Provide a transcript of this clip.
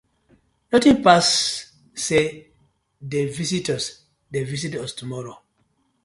Notin pass say dek visitors dey visit us tomorrow,